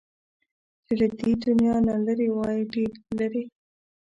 چې له دې دنيا نه لرې وای، ډېر لرې